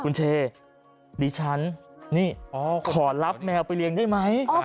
คุณเชดิฉันนี่ขอรับแมวไปเลี้ยงได้ไหม